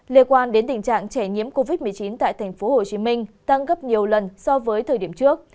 liên quan đến tình trạng trẻ nhiễm covid một mươi chín tại tp hcm tăng gấp nhiều lần so với thời điểm trước